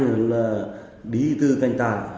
hai đường đi từ canh tạ